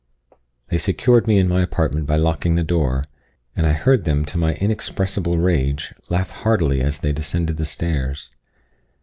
They secured me in my apartment by locking the door, and I heard them, to my inexpressible rage, laugh heartily as they descended the stairs.